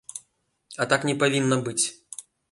А так не павінна быць.